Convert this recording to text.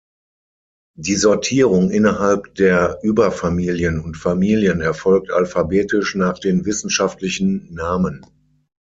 Die Sortierung innerhalb der Überfamilien und Familien erfolgt alphabetisch nach den wissenschaftlichen Namen.